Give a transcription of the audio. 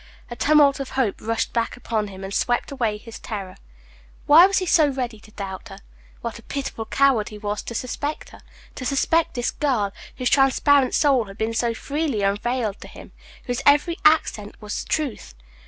A tumult of hope rushed back upon him, and swept away his terror. Why was he so ready to doubt her? What a pitiful coward he was to suspect her to suspect this girl, whose transparent soul had been so freely unveiled to him; whose every accent was truth!